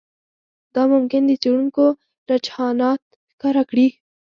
دا ممکن د څېړونکو رجحانات ښکاره کړي